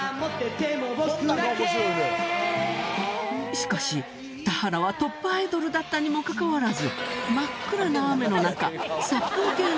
しかし田原はトップアイドルだったにもかかわらず